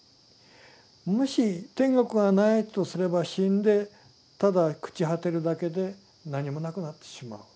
もし天国がないとすれば死んでただ朽ち果てるだけで何もなくなってしまう。